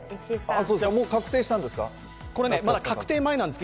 確定したんですか？